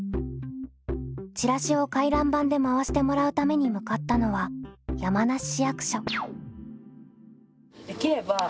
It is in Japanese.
チラシを回覧板で回してもらうために向かったのは山梨市役所。